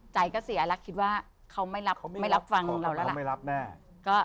ใจก็เสียแล้วคิดว่าเขาไม่รับฟังเราแล้วละ